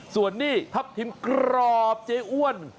ส่วนนี้ทัพทิมกรอบเจ๊อ้วน